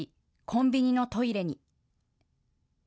コンビニのトイレに。